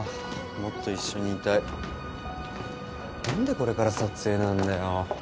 もっと一緒にいたいなんでこれから撮影なんだよ